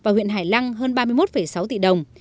và huyện hải lăng hơn ba mươi một sáu tỷ đồng